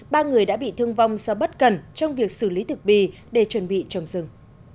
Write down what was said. ba người đã bị thương vong do bất cần trong việc xử lý thực bì để chuẩn bị trồng rừng